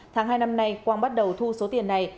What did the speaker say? tháng hai năm nay quang bắt đầu thu số tiền này